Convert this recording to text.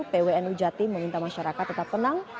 pwnu jatim meminta masyarakat tetap tenang